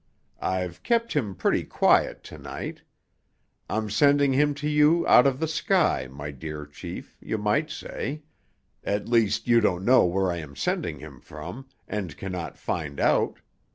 I've kept him pretty quiet to night. I'm sending him to you out of the sky, my dear chief, you might say. At least, you don't know where I am sending him from, and cannot find out.